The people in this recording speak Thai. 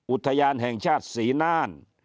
อุทยานแห่งชาติศรีน่าน